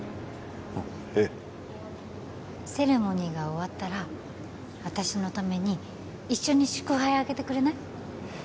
あっええセレモニーが終わったら私のために一緒に祝杯あげてくれない？